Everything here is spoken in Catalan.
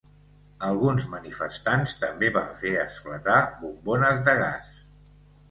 Alguns manifestants també van fer esclatar bombones de gas.